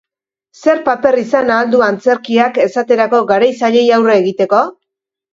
Zer paper izan ahal du antzerkiak esaterako garai zailei aurre egiteko?